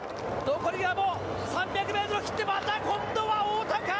残りはもう３００メートルを切って、また今度は太田か。